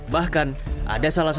bahkan ada salah sebagiannya